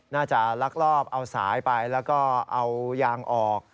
ลักลอบเอาสายไปแล้วก็เอายางออก